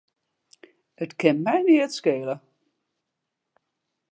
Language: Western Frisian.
It kin my neat skele.